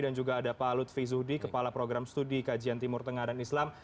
dan juga ada pak lutfi zuhdi kepala program studi kajian timur tengah dan islam